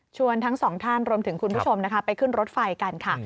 ทั้งสองท่านรวมถึงคุณผู้ชมนะคะไปขึ้นรถไฟกันค่ะ